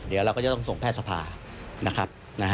เดี๋ยวเราก็จะต้องส่งแพทย์สภานะครับ